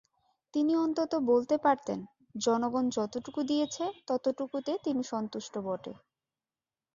তিনি অন্তত বলতে পারতেন, জনগণ যতটুকু দিয়েছে, ততটুকুতে তিনি সন্তুষ্ট বটে।